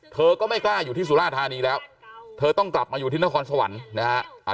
เธอก็ไม่กล้าอยู่ที่สุราธานีแล้วเธอต้องกลับมาอยู่ที่นครสวรรค์นะฮะ